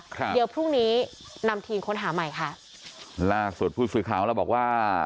ค่ะเดี๋ยวพรุ่งนี้นำทีค้นหาใหม่ค่ะส่วนภูทย์สูตรข่าวเราบอกว่า